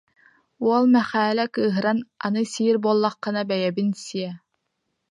Уола Мэхээлэ кыыһыран: «Аны сиир буоллаххына бэйэбин сиэ»